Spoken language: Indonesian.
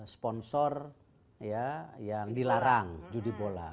sponsor yang dilarang judi bola